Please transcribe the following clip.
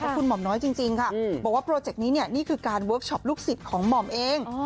ขอบคุณหม่อมน้อยจริงบอกว่าโปรเจคนี้นี่คือการเวิร์กชอปลูกศิษย์ของหม่อมเอง